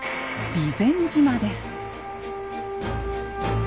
「備前島」です。